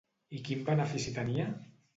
I quin benefici tenia?